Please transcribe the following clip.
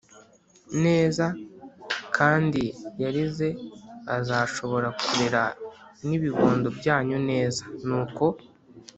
neza; kandi yarize azashobora kurera n’ibibondo byanyu neza”. Nuko